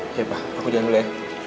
iya pak aku jalan dulu ya